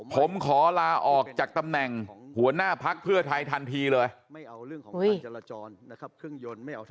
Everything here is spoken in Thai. ผมขอลาออกจากตำแหน่งหัวหน้าพักเพื่อไทยทันทีเลย